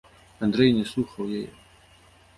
Андрэй не слухаў яе.